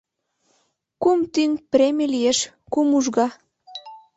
Кум тӱҥ премий лиеш — кум ужга.